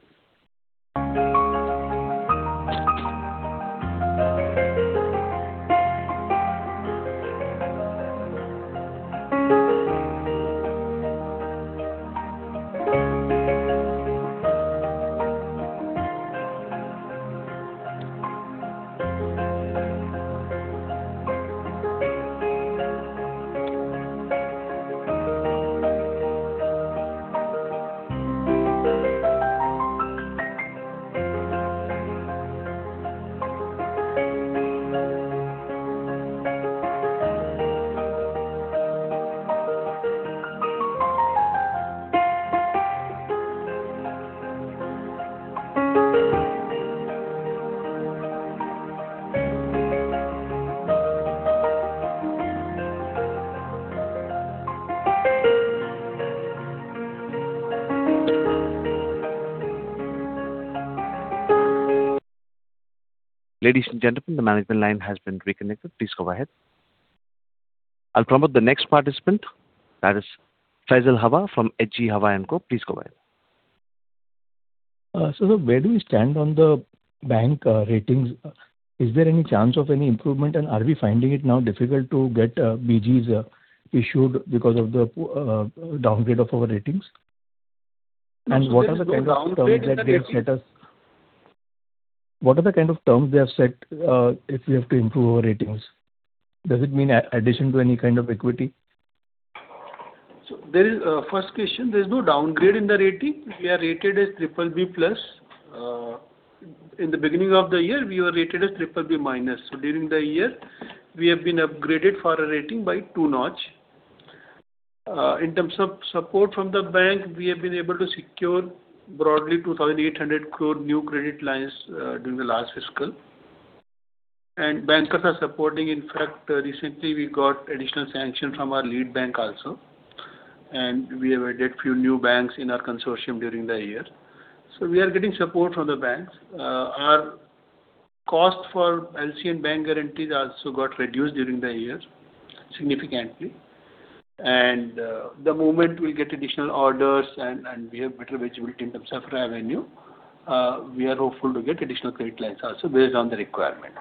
Ladies and gentlemen, the management line has been reconnected. Please go ahead. I'll introduce the next participant. That is Faisal Hawa from H.G. Hawa & Co. Please go ahead. Where do we stand on the bank ratings? Is there any chance of any improvement, and are we finding it now difficult to get BGs issued because of the downgrade of our ratings? No, sir, there is no downgrade in the rating. What are the kind of terms they have set if we have to improve our ratings? Does it mean addition to any kind of equity? First question, there's no downgrade in the rating. We are rated as BBB+. In the beginning of the year, we were rated as BBB-. During the year, we have been upgraded for a rating by two notch. In terms of support from the bank, we have been able to secure broadly 2,800 crore new credit lines during the last fiscal. Bankers are supporting. In fact, recently we got additional sanction from our lead bank also, and we have added few new banks in our consortium during the year. We are getting support from the banks. Our cost for LC and bank guarantees also got reduced during the year significantly. The moment we get additional orders and we have better visibility in terms of revenue, we are hopeful to get additional credit lines also based on the requirement.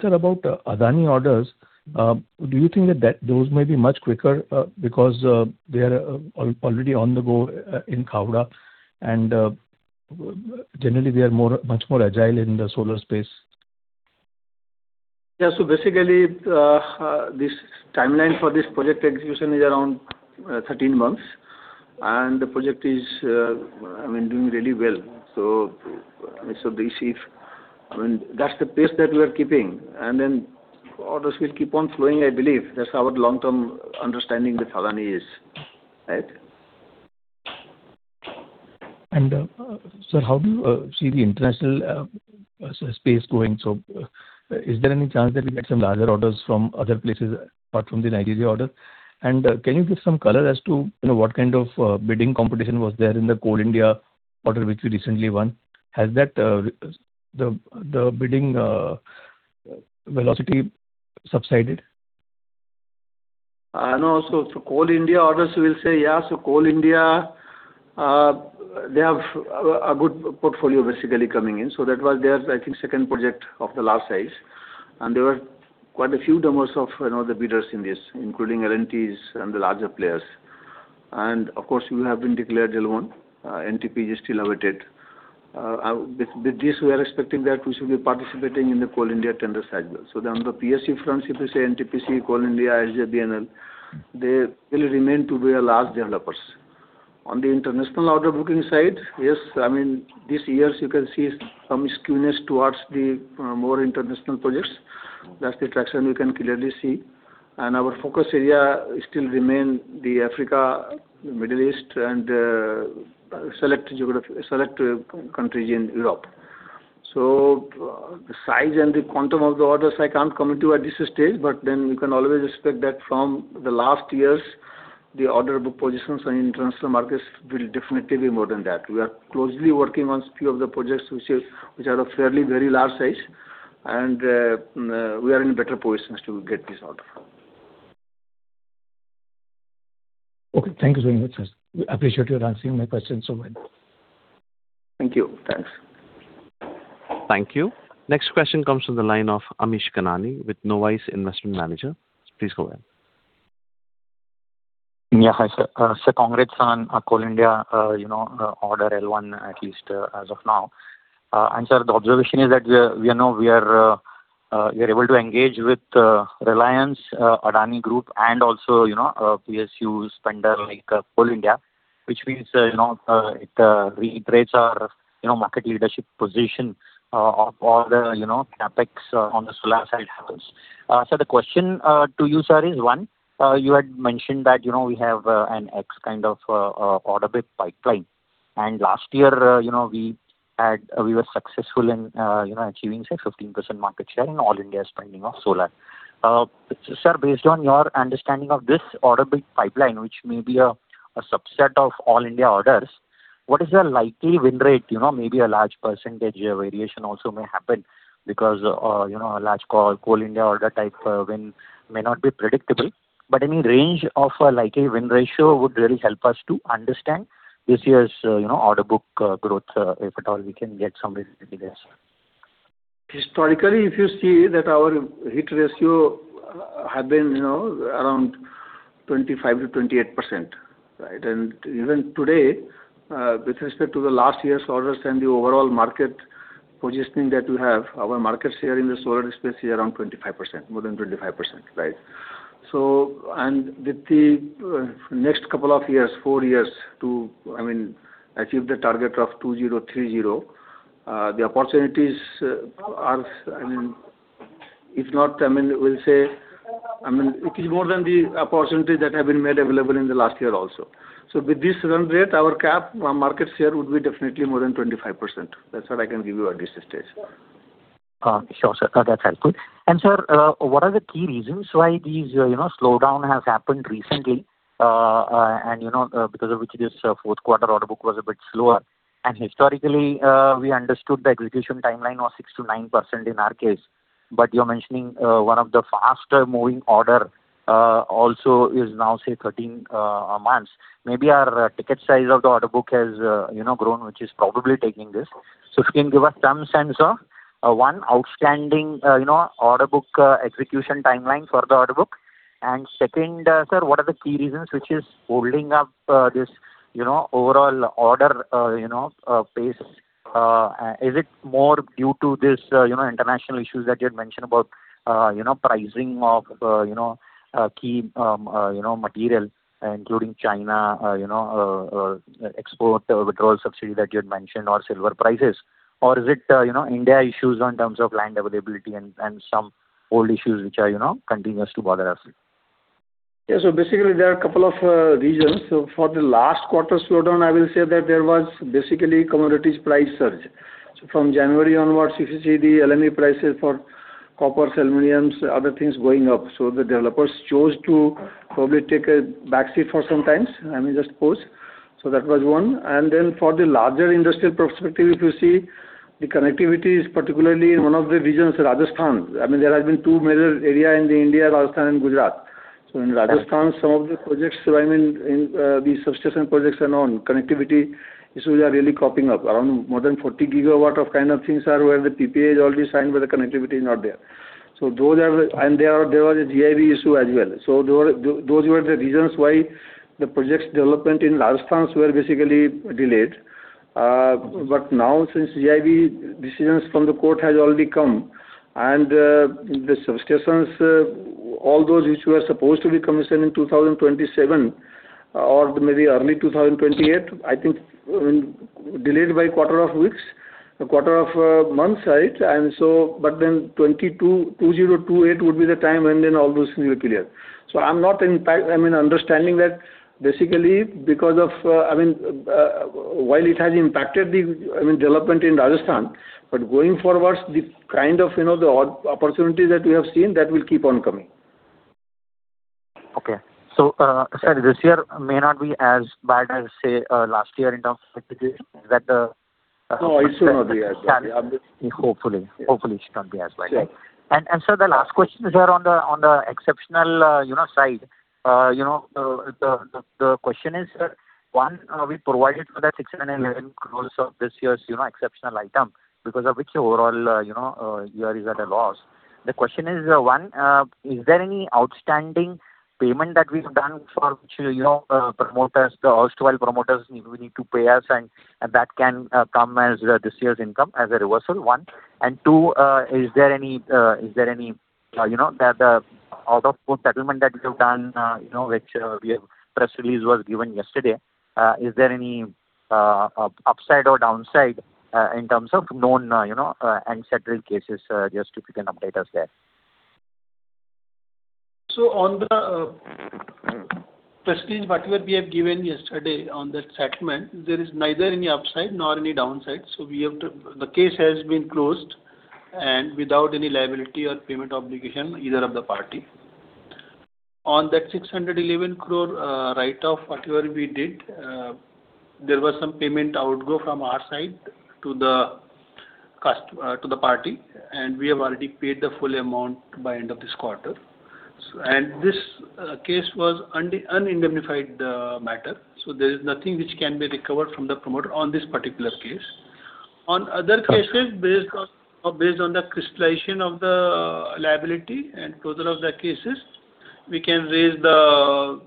Sir, about Adani orders, do you think that those may be much quicker because they are already on the go in Khavda and generally they are much more agile in the solar space? Yeah. Basically, this timeline for this project execution is around 13 months, and the project is doing really well. That's the pace that we are keeping, and then orders will keep on flowing, I believe. That's our long-term understanding with Adani is right. Sir, how do you see the international space going? Is there any chance that we get some larger orders from other places apart from the Nigeria order? Can you give some color as to what kind of bidding competition was there in the Coal India order, which we recently won? Has the bidding velocity subsided? No. Coal India orders, we'll say yeah. Coal India, they have a good portfolio basically coming in. That was their, I think, second project of the large size. There were quite a few demos of the bidders in this, including L&T and the larger players. Of course, we have been declared L1. NTPC is still awaited. With this, we are expecting that we should be participating in the Coal India tenders as well. On the PSE front, if you say NTPC, Coal India, SJVN, they will remain to be our large developers. On the international order booking side, yes, these years you can see some skewness towards the more international projects. That's the traction we can clearly see. Our focus area still remain the Africa, Middle East, and select countries in Europe. The size and the quantum of the orders I can't commit to at this stage, but then you can always expect that from the last years, the order book positions in international markets will definitely be more than that. We are closely working on few of the projects which are of fairly very large size, and we are in better positions to get this order. Okay. Thank you so much, sir. I appreciate your answering my questions so well. Thank you. Thanks. Thank you. Next question comes from the line of Amish Kanani with Knowise Investment Managers. Please go ahead. Yeah. Hi, sir. Sir, congrats on Coal India order L1, at least as of now. Sir, the observation is that we are able to engage with Reliance, Adani Group, and also PSUs, such as Coal India, which means it reiterates our market leadership position of all the CapEx on the solar side. The question to you, sir, is one, you had mentioned that we have an X kind of order book pipeline, and last year we were successful in achieving, say, 15% market share in all-India spending of solar. Sir, based on your understanding of this order book pipeline, which may be a subset of all-India orders, what is the likely win rate? Maybe a large percentage variation also may happen because a large Coal India order type win may not be predictable. Any range of a likely win ratio would really help us to understand this year's order book growth, if at all we can get some visibility there, sir? Historically, if you see that our hit ratio have been around 25%-28%, right? Even today, with respect to the last year's orders and the overall market positioning that we have, our market share in the solar space is around 25%, more than 25%. Right. With the next couple of years, four years to achieve the target of 2030, the opportunities are, if not, we'll say it is more than the opportunities that have been made available in the last year also. With this run rate, our cap market share would be definitely more than 25%. That's what I can give you at this stage. Sure, sir. That's helpful. Sir, what are the key reasons why this slowdown has happened recently, and because of which this fourth quarter order book was a bit slower? Historically, we understood the execution timeline was 6-9 months in our case. You're mentioning one of the faster moving order also is now, say, 13 months. Maybe our ticket size of the order book has grown, which is probably taking this. If you can give us some sense of, one, outstanding order book execution timeline for the order book. Second, sir, what are the key reasons which is holding up this overall order pace? Is it more due to these international issues that you had mentioned about pricing of key material, including China export withdrawal subsidy that you had mentioned or silver prices? Is it Indian issues in terms of land availability and some old issues which are continuing to bother us? Yeah. Basically there are a couple of reasons. For the last quarter slowdown, I will say that there was basically commodity price surge. From January onwards, if you see the LME prices for copper, aluminum, other things going up. The developers chose to probably take a back seat for some time, I mean, just pause. That was one. For the larger industrial perspective, if you see the connectivity is particularly in one of the regions, Rajasthan. There have been two major areas in India, Rajasthan and Gujarat. In Rajasthan, some of the projects, the substation projects and so on, connectivity issues are really cropping up. Around more than 40 gigawatts of kind of things are where the PPA is already signed, but the connectivity is not there. There was a GIB issue as well. Those were the reasons why the projects development in Rajasthan were basically delayed. Now since GIB decisions from the court has already come and the substations, all those which were supposed to be commissioned in 2027 or maybe early 2028, I think delayed by quarter of weeks, a quarter of months, right? 2028 would be the time when then all those things will clear. I'm understanding that basically while it has impacted the development in Rajasthan, but going forward, the kind of the opportunity that we have seen, that will keep on coming. Okay. Sir, this year may not be as bad as, say, last year in terms of execution? Is that the- No, it should not be as bad. Hopefully it should not be as bad. Sure. Sir, the last question is around the exceptional side. The question is, one, we provided for that 611 crore of this year's exceptional item because of which overall year is at a loss. The question is, one, is there any outstanding payment that we've done for which the Erstwhile promoters need to pay us and that can come as this year's income as a reversal, one. Two, the out-of-court settlement that you have done which press release was given yesterday, is there any upside or downside in terms of known and several cases? Just if you can update us there. On the press release, whatever we have given yesterday on that settlement, there is neither any upside nor any downside. The case has been closed and without any liability or payment obligation, either of the party. On that 611 crore write-off, whatever we did, there was some payment outgo from our side to the party, and we have already paid the full amount by end of this quarter. This case was un-indemnified matter. There is nothing which can be recovered from the promoter on this particular case. On other cases, based on the crystallization of the liability and closure of the cases, we can raise the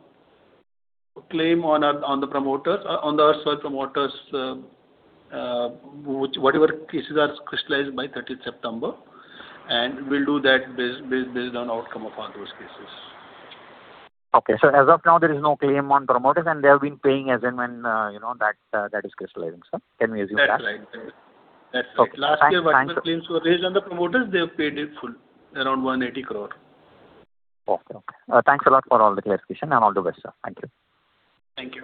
claim on the Erstwhile promoters, whatever cases are crystallized by 30th September, and we'll do that based on outcome of all those cases. Okay. As of now, there is no claim on promoters, and they have been paying as and when that is crystallizing, sir. Can we assume that? That's right. Okay. Thanks. Last year, whatever claims were raised on the promoters, they have paid it in full, around 180 crore. Okay. Thanks a lot for all the clarification, and all the best, sir. Thank you. Thank you.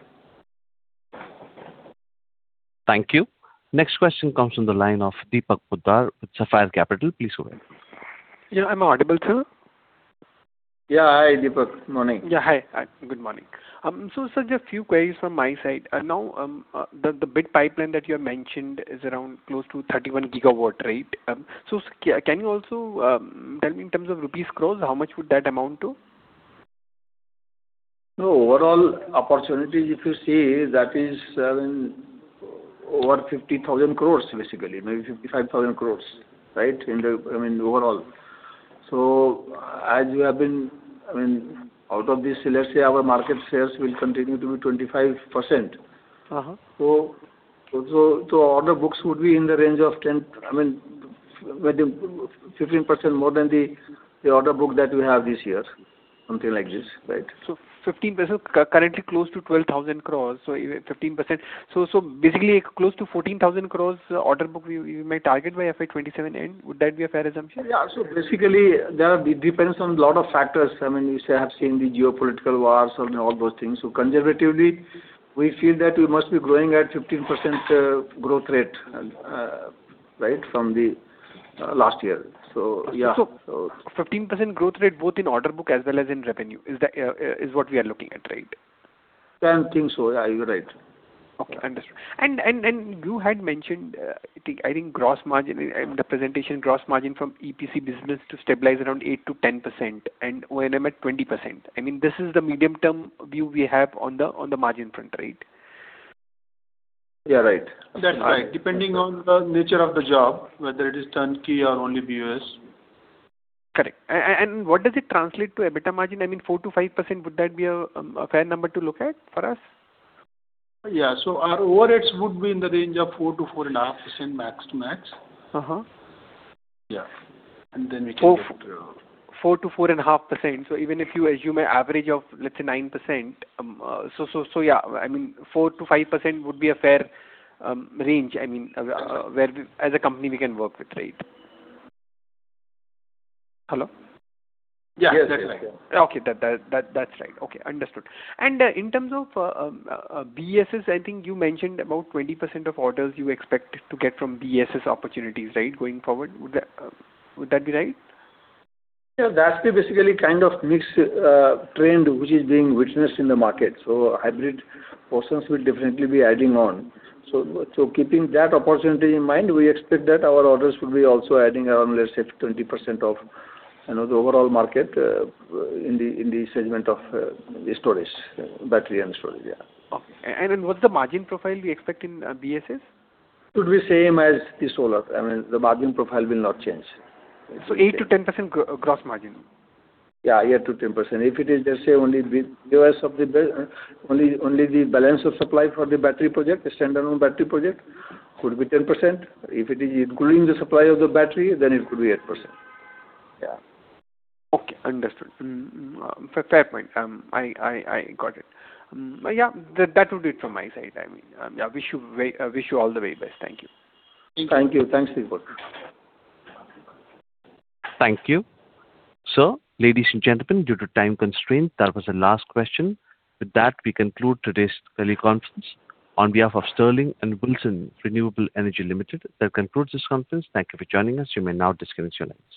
Thank you. Next question comes from the line of Deepak Mundra with Sapphire Capital. Please go ahead. Yeah. Am I audible, sir? Yeah. Hi, Deepak. Morning. Yeah. Hi. Good morning. Sir, just few queries from my side. Now, the bid pipeline that you have mentioned is around close to 31 gigawatt, right? Can you also tell me in terms of rupees, crores, how much would that amount to? Overall opportunities, if you see, that is over 50,000 crores, basically. Maybe 55,000 crores. Right? Overall. As you have been out of this, let's say our market shares will continue to be 25%. Uh-huh. Order books would be in the range of 15% more than the order book that we have this year. Something like this. Right? 15%, currently close to 12,000 crores, so 15%. Basically close to 14,000 crores order book you may target by FY 2027 end. Would that be a fair assumption? Yeah. Basically, depends on a lot of factors. You have seen the geopolitical wars and all those things. Conservatively, we feel that we must be growing at 15% growth rate, right, from the last year. Yeah. 15% growth rate, both in order book as well as in revenue, is what we are looking at, right? I think so. Yeah, you're right. Okay, understood. You had mentioned, I think, gross margin, in the presentation, gross margin from EPC business to stabilize around 8%-10%, and O&M at 20%. This is the medium-term view we have on the margin front, right? Yeah, right. That's right. Depending on the nature of the job, whether it is turnkey or only BOS. Correct. What does it translate to EBITDA margin? I mean, 4%-5%, would that be a fair number to look at for us? Yeah. Our overheads would be in the range of 4%-4.5% max to max. Uh-huh. Yeah. We can get to 4%-4.5%. Even if you assume an average of, let's say, 9%, so yeah, 4%-5% would be a fair range, whereas as a company we can work with, right? Hello? Yes. Yes. Okay. That's right. Okay, understood. In terms of BESS, I think you mentioned about 20% of orders you expect to get from BESS opportunities going forward. Would that be right? Yeah. That's the basically kind of mixed trend which is being witnessed in the market. Hybrid portions will definitely be adding on. Keeping that opportunity in mind, we expect that our orders will be also adding around, let's say, 20% of the overall market in the segment of battery and storage. Okay. What's the margin profile we expect in BESS? It would be same as the solar. The margin profile will not change. 8%-10% gross margin. Yeah, 8%-10%. If it is, let's say, only the BESS, only the balance of supply for the battery project, the standalone battery project, could be 10%. If it is including the supply of the battery, then it could be 8%. Yeah. Okay, understood. Fair point. I got it. Yeah, that would be it from my side. I wish you all the very best. Thank you. Thank you. Thank you. Thanks, Deepak. Thank you. Ladies and gentlemen, due to time constraint, that was the last question. With that, we conclude today's teleconference. On behalf of Sterling and Wilson Renewable Energy Limited, that concludes this conference. Thank you for joining us. You may now disconnect your line.